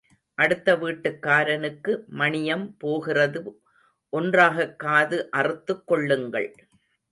அடுத்த வீட்டுக்காரனுக்கு மணியம் போகிறது ஒன்றாகக் காது அறுத்துக் கொள்ளுங்கள்.